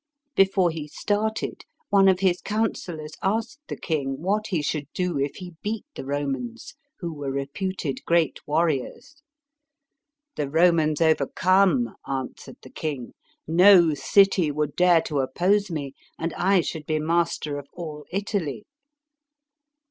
Before hetstarted one of his counsellors asked the king, what he should do, if lie beat the Romans, who were reputed great warriors. "The Romans overcome/' answered the king, " no city would dare to oppose me, and I should be master of all Italy."